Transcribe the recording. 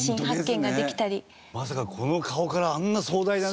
まさかこの顔からあんな壮大なね。